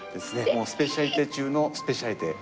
スペシャリテ中のスペシャリテ。